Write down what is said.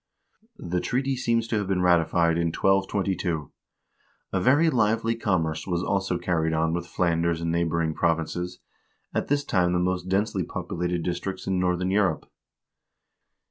1 The treaty seems to have been ratified in 1222. A very lively commerce was also carried on with Flanders and neighboring provinces, at this time the most densely populated districts in northern Europe.